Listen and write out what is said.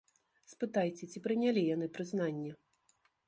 Спытайце, ці прынялі яны прызнанне?